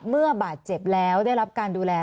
เมื่อบาดเจ็บแล้วได้รับการดูแล